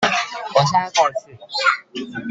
我現在過去